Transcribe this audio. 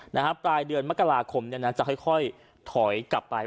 ปลายเดือนมกราคมเนี่ยนะจะค่อยถอยกลับไป